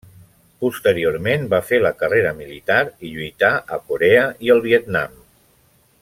Posteriorment va fer la carrera militar i lluità a Corea i el Vietnam.